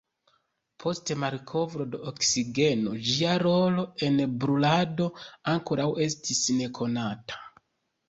Post malkovro de oksigeno ĝia rolo en brulado ankoraŭ estis nekonata.